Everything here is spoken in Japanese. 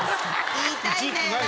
言いたいんだよなあ。